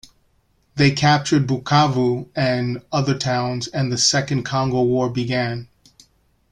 They captured Bukavu and other towns, and the Second Congo War began.